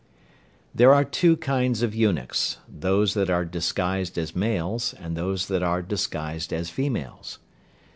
There are two kinds of eunuchs, those that are disguised as males, and those that are disguised as females.